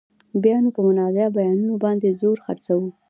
بیا نو په متنازعه بیانونو باندې زور خرڅوو.